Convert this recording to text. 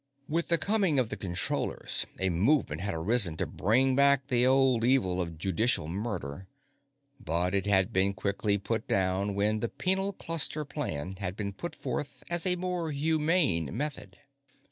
With the coming of the Controllers, a movement had arisen to bring back the old evil of judicial murder, but it had been quickly put down when the Penal Cluster plan had been put forth as a more "humane" method.